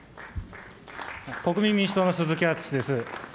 国民民主党の鈴木敦です。